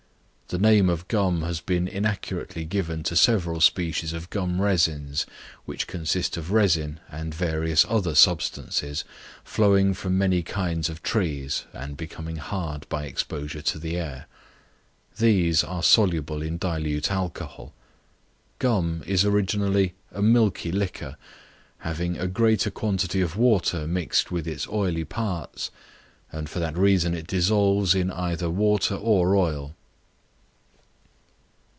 The name of gum has been inaccurately given to several species of gum resins, which consist of resin and various other substances, flowing from many kinds of trees, and becoming hard by exposure to the air. These are soluble in dilute alcohol. Gum is originally a milky liquor, having a greater quantity of water mixed with its oily parts, and for that reason it dissolves in either water or oil.